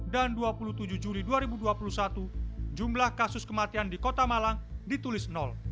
delapan belas sembilan belas dua puluh dan dua puluh tujuh juli dua ribu dua puluh satu jumlah kasus kematian di kota malang ditulis